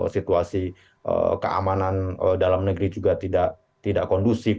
situasi keamanan dalam negeri juga tidak kondusif